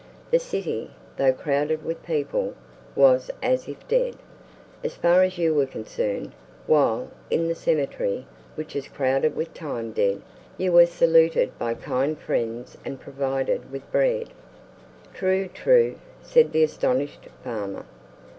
The city, though crowded with people, was as if dead, as far as you were concerned; while, in the cemetery, which is crowded with time dead, you were saluted by kind friends and provided with bread." "True, true!" said the astonished farmer.